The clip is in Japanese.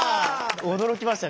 驚きましたね。